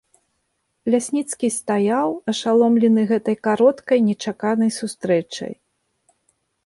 Лясніцкі стаяў, ашаломлены гэтай кароткай, нечаканай сустрэчай.